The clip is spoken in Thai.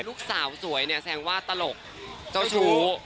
ลูกสาวสวยเนี่ยแสดงว่าตลกเจ้าชู้